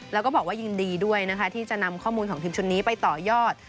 แล้วก็บอกว่ายินดีด้วยนะคะที่จะนำข้อมูลของทีมชุดนี้ไปต่อยอด